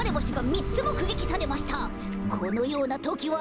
このようなときは。